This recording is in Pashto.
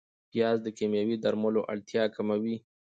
پیاز د کیمیاوي درملو اړتیا کموي